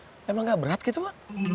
emang nggak berat gitu mak